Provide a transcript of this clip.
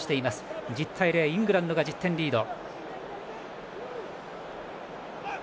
１０対０、イングランドが１０点リード。